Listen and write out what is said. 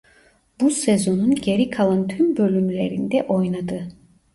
Bu sezonun geri kalan tüm bölümlerinde oynadı.